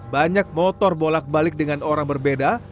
banyak motor bolak balik dengan orang berbeda